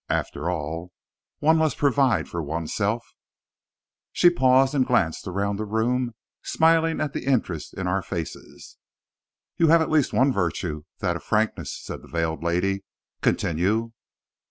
"After all, one must provide for oneself." She paused and glanced around the room, smiling at the interest in our faces. "You have at least one virtue that of frankness," said the veiled lady. "Continue."